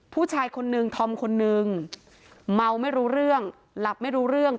ผู้ชายคนนึงธอมคนนึงเมาไม่รู้เรื่องหลับไม่รู้เรื่อง